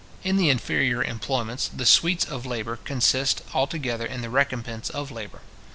In the inferior employments, the sweets of labour consist altogether in the recompence of labour.